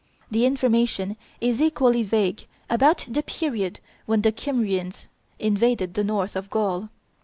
The information is equally vague about the period when the Kymrians invaded the north of Gaul.